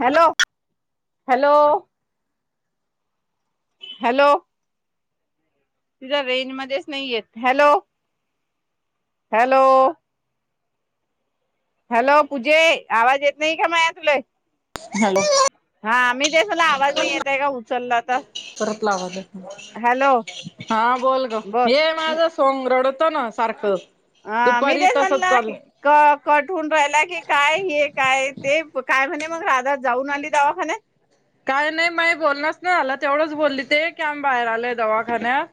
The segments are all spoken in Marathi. हॅलो हॅलो हॅलो तिझ रेंज मध्येच नाही येत हॅलो हॅलो हॅलो कूजे आवाज येत नाही कामाया तुला हॅलो हा मी त्यासला आवाज नाही येतय का उचलला तर परतलावा द हॅलो हा बोल ग बर ये माझं सोंग रडतो ना सारखं ह मी दुपारी ते तसच म्हणला चाललं कठून राहिला की काय हे काय ते काय म्हणे मग राधात जाऊन आली दवाखाने काय नाही माय बोलणारच ना आला तेवढंच बोलली ते कम बाहेर आलंय दवाखान्यात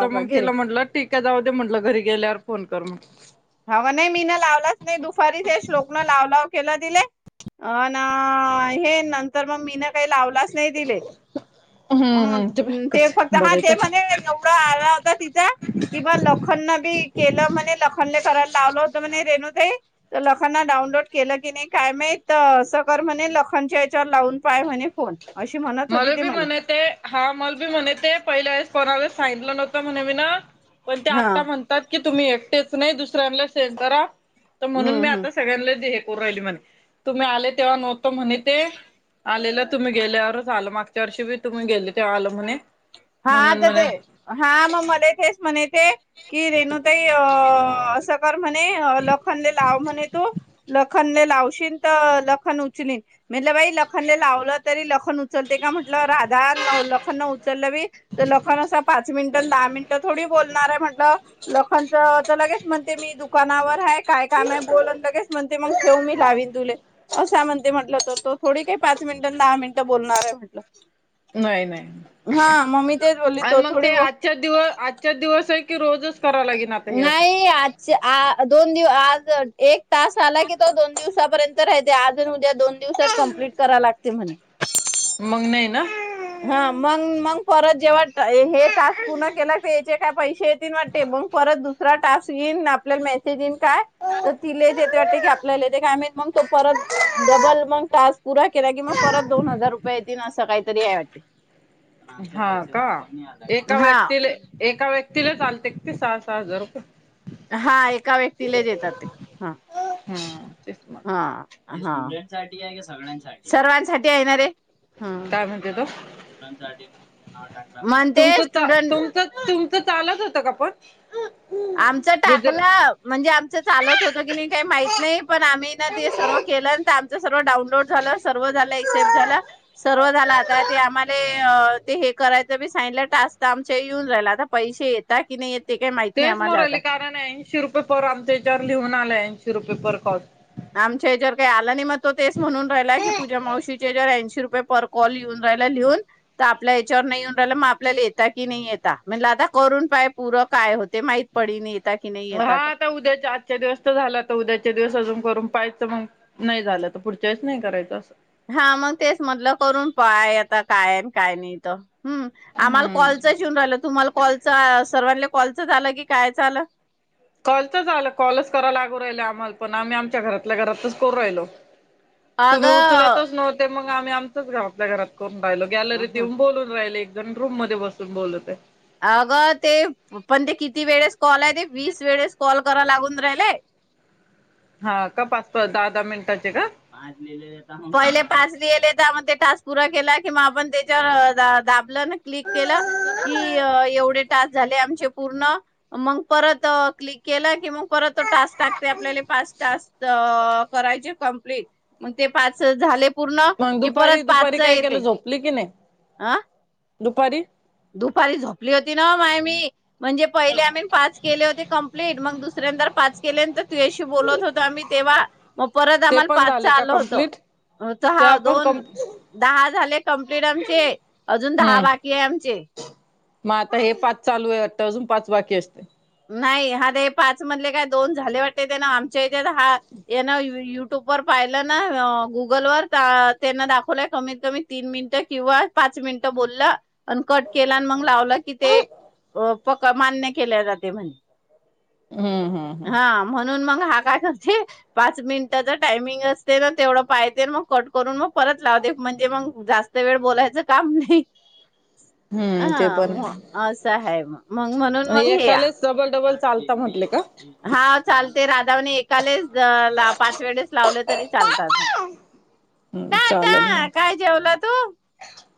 तर का मग घे रे तिला म्हटलंठीक काय जाऊ दे म्हटलं घरी गेल्यावर फोन कर मग हव नाही मी ना लावलाच नाही दुपारीत श्लोकनं लाव लाव केला दिले. अ ना हे नंतर मग मीन काही लावलाच नाही दिले. हम्म ह हम्म बाय ते कस फक्त हा बघाय ते पाय म्हणे नवरा आला होता तिचा. की बा लखनन बी केलं म्हणे लखनले करायला लावलं होतं म्हणे रेणू ताई. तर लखनना डाऊनलोड केलं की नाही काय मा असं कर म्हणे लखनच्या याच्यावर लावून पाय म्हणे फोन. अशी म्हणत होती मला ते बी मले म्हणे तेे हा मला बी म्हणे तेे पहिले कोणाला सांगितलं नव्हतं म्हणे मी ना पण ते हा आत्ता म्हणतात की तुम्ही एक तेच नाही दुसऱ्यांना सेड करा तर हम्म म्हणून मी हम्म आता सगळ्यांना करु राहिली म्हणे तुम्ही आले तेव्हा नव्हत म्हणे ते आलेला तुम्ही गेल्यावर झालं मागच्या वर्षी बी तुम्ही गेले तेव आल म्हणे हा म्हणून तर ते म्हणे हा मग मले तेच म्हणे ते. की रेणुताई अ असं कर म्हणे लखनले लाव म्हणे तू लखनने लावशील त लखन उचलीन म्हटलं बाई लखनने लावलं तरी लखन लखन उचलते का म्हटलं राधा लखन उचललं बी तर लखन असं पाच मिनिटं दहा मिनिट थोडी बोलणार आहे म्हटलं लखनच तर लगेच म्हणते मी दुकानावर हाय काय काम आहे बोलून लगेच म्हणते मग ठेव मी लावीन तुले. असा म्हणते म्हटलं त तो थोडी काही पाच मिनिटं दहा मिनिटं बोलणारे म्हटलं, नाही नाही हा मग मी तेच बोलली आणि तो मग थोडी ते ब आजच्या दिव आजच्या दिवस की रोजच कराव लागेन आता हे असं नाही आजच्या आज दोन दिव आज एक तास आला की तो दोन दिवसापर्यंत राहते आजन उद्या दोन दिवसात कंम्पलीट करा लागते म्हणे. मग नाही ना. हा मग मग परत जेव्हा हे टास्क पूर्ण केला याचे काय पैसे येतील वाटते मग परत दुसरा टास्क येईन आपल्याला मेसेज येईन काय? तर तिलेचे येते वाटते की आपल्याला येते काय माहित मग तो परत डबल मग तास् परा केला की मग परत दोन हजार रुपया येतीन, असं काहीतरीये वाटते. हा का एका हा व्यक्तीला एका व्यक्ती तिलाच आलते का ते सहा सहा हजार रुपये. हा एका व्यक्तीला येतात ते हा हम्म तेच हा. म्हटलं हा. सर्वांसाठी आहे ना रे. ह. काय म्हणते तो [unintelligible] म्हणते तुमचं चा स्टुडंट तुमचं तुमचं चालत होतं का पण आमचं गुजर टाकलं म्हणजे आमचं चालत होत की नाही काही माहित नाही पण आम्ही ना ते सर्व केलंंत आमच सर्व डाऊनलोड झाल सर्व झालं एक्सेप्ट झालं सर्व झालं आता ते आम्हाले ते हे करायचं बी सांगितलं टास्त आमच्या येऊन राहिला आता पैसे येतात की नाही येते ते काय तेच मोरले कारण ऐंशी रुपये पर आमच्या याच्यावर लिहून आलं ऐंशी रुपये पर कॉल आमच्या ह्याच्यावर काही आला नाही मग तो तेच म्हणून राहिलाय की पूजा मावशीच्याच्यावर ऐंशी रुप ये पर कॉल येन राहिला लिहून तर आपल्या याच्यावर नाही येऊन राहिला मग आपल्याला यता की नाही यता म्हण आता करून पाय पूर काय होत. हा आता उद्याच्या आजच्या दिवस तर झाला आता उद्याच्या दिवस अजून, करून पाहायचं मग नाही झालं त पुढच्या वेळेस नाही करायचं असं. हा मग तेच म्हटलं करून पाय, आता काय काय नाही त. हम् आम्हाला हम्म कॉलचा ईवून राहिलं तुम्हाला कॉलच सर्वांनी कॉलच आलं की कायच आल. कॉलचच आलं कॉलच कराव लागू राहिल आम्हाला पण आम्ही आमच्या घरातल्या घरातच करू राहिलो. तुम्ही अगं उचलतच नव्हते मग आम्ही आमचच घरातल्या घरात करूण राहिलो गॅलरीत येऊन बोलून राहिले, एक जण रूम मध्ये बसून बोलते. अगं ते पण ते किती वेळेस कॉलते, ते वीस वेळेस कॉल करा लागून राहिले. हा का पाच पाच दहा दहा मिनिटाचे का? पाच दिएलत तर, पहिले पाच लिहेलए, त्यामध्ये टास् पूरा केलाय की आपण [unintelligible] त्याच्यावर द क्लिक केलं की एवढे टास्क झाले, आमचे पूर्ण मग परत क्लिक केल की मग परत टास्क टाकते, आपल्या पाच टास्क करायचे. मग ते पाच झाले पूर्ण मग कि परत दुपारी दुपारी पाचच काय केलं येते. झोपली की नाही आ? दुपारी. [unintelligible] म्हणजे पहले आम्ही पाच केले होते कम्प्लीट. मग दु दुसऱ्यांदा पाच केलेंन त तुझ्याशी बोलत होतो मी तेव्हा. मग परत ते आम्हाला पण पाचच झाले का आल होत. कंप्लीट? हो च हा त्या पण दोन कं दहा झाले कमप्लीट आमचे. अजून दहा हम्म बाकी आहे. आम मग आता हे पाच चालू आहे वाटतं. अजून पाच बाकी असतील. नाही हा ते पाच मधले काय दोन झाले वाटते. ते ना आमच्याच्यात हा ना य [unintelligible] र पाहिलं ना गुगलवर त्यांन दाखवलंय, कमीत कमी तीन मिनिट किंवा पा पाच मिनिटं बोलल. आणि कट केला आणि मग लावला, की ते हम्म पक मान्य केल्या जाते म्हणे. हम्म हम्म हा म्हणून मग. ा काय पाच मिनिट टायमिंग असतय ना तेवढ पाहयते म कट करून- परत लावते म्हणजे मग जास्त वेळ बोलायचं काम नाही. हम्म ते हा. पण म आहे अस आहे मग, म्हणून मग हे. एकालाच डबल म डबल चालता म्हटले का? [unintelligible] हा चालते राधावने एकालेच पाच वेळेस लावले तरी चालतात ना - हम्म चालेल ना. जेवला तू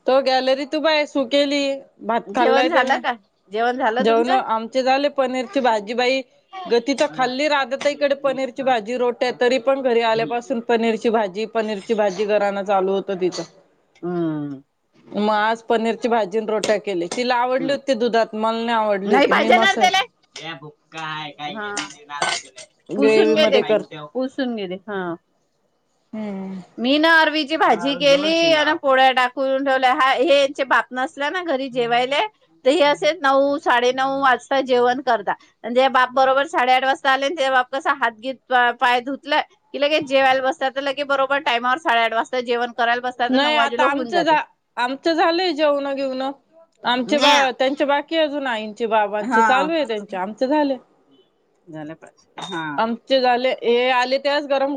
तो गॅलरीत उभाय सु केली. भात खाल्लाय जेवण त्याने. झालं का जेवण झालं जेवण तुमचं आमचे झाले. पनीरची भाजी बाई- गती तर खाल्ली राधा ताईकडे पनीरची भाजी रोट्या तरी पण घरी आल्यापासून पनीरची ची भाजी, पनीरची भाजी गरहाण चालू होत तिच. हम्. मग आज पनीरची भाजी रोट्या केली, तिला आवडली होती दुधात. मला नाही आवड- नाही पाहिजे ना त्याले. भुक्काय काय? [unintelligible] पुसून ग्रेवी घे मध्ये करते ते. पुसून घे ते. हा. हम्म मी ना आरवी- ची भाजी केली आणि पोळ्या टाकून ठेवल्या, ह हे यांच्या बात नसल्या ना घरी जेवायले. तर हे असे नऊ - साडे नऊ वाजता जेवण करता. आणि त्याचे बाप बरोबर साडे आठ वाजता आले की [unintelligible] पाय धुतले की लगेच जेवायला बसतात. तर लगेच बराे बरं टाईमावरं साडे आठ वाजता जेवण- करायला बसतात तर नऊ नाही, वाजेला आता होऊन आमचं जाते. झा- आमचं झालंय जेवण बिवण. आमचे बा त्यांचे बाकी अजून आईंचे बाबांचे हा चालू आहे त्यांचे. आमचे झाले. झालं का? हा. आमचे झाले हे आले त्यावेळा ते गरम गरम -